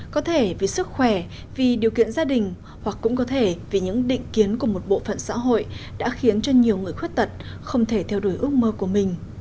có thể vì sức khỏe vì điều kiện gia đình hoặc cũng có thể vì những định kiến của một bộ phận xã hội đã khiến cho nhiều người khuyết tật không thể theo đuổi ước mơ của mình